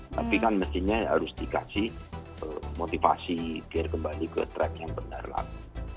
tapi kan mestinya harus dikasih motivasi biar kembali ke track yang benar lagi